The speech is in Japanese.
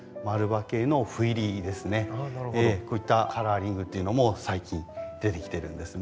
こういったカラーリングっていうのも最近出てきてるんですね。